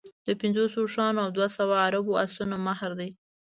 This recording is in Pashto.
د پنځوسو اوښانو او دوه سوه عرب اسونو مهر دی.